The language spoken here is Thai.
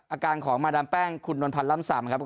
อาการของมาดามแป้งคุณนวลพันธ์ล่ำซำครับ